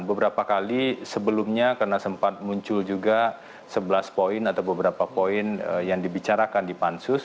beberapa kali sebelumnya karena sempat muncul juga sebelas poin atau beberapa poin yang dibicarakan di pansus